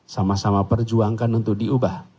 sama sama perjuangkan untuk diubah